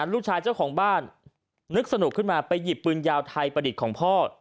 ลูกชายเจ้าของบ้านนึกสนุกขึ้นมาไปหยิบปืนยาวไทยประดิษฐ์ของพ่อ